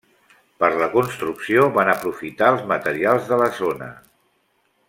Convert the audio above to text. Per la construcció van aprofitar els materials de la zona.